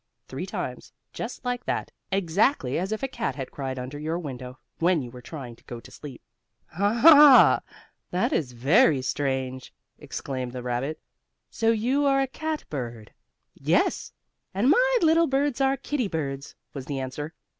three times, just like that, exactly as if a cat had cried under your window, when you were trying to go to sleep. "Ha! That is very strange!" exclaimed the rabbit. "So you are a cat bird." "Yes, and my little birds are kittie birds," was the answer.